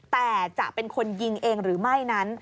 แต่จะเป็นคนยิงเองหรือไม่นั้น